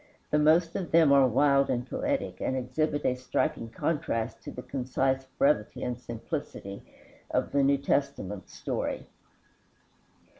The most of them are wild and poetic, and exhibit a striking contrast to the concise brevity and simplicity of the New Testament story.